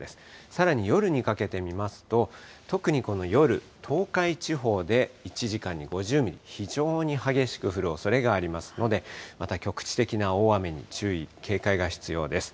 さらに夜にかけて見ますと、特にこの夜、東海地方で１時間に５０ミリ、非常に激しく降るおそれがありますので、また局地的な大雨に、注意、警戒が必要です。